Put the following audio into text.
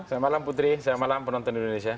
selamat malam putri selamat malam penonton indonesia